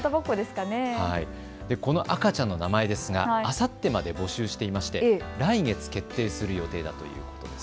この赤ちゃんの名前ですがあさってまで募集していまして来月、決定する予定だということです。